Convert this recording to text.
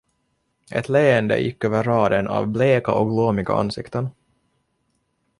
Ett leende gick över raden av bleka och glåmiga ansikten.